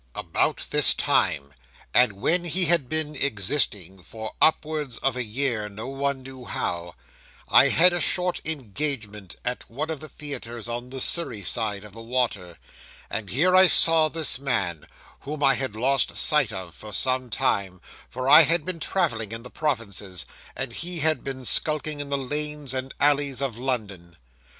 'About this time, and when he had been existing for upwards of a year no one knew how, I had a short engagement at one of the theatres on the Surrey side of the water, and here I saw this man, whom I had lost sight of for some time; for I had been travelling in the provinces, and he had been skulking in the lanes and alleys of London.